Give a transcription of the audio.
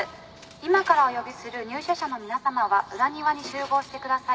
今からお呼びする入所者の皆さまは裏庭に集合してください。